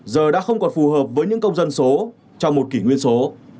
giờ đã không còn phù hợp với những công dân số trong một kỷ nguyên số